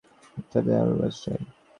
আমার বুদ্ধিমত্তা আরও বাড়াতে চাই।